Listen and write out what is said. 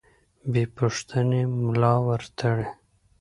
بې پوښتنې ملا ورتړي.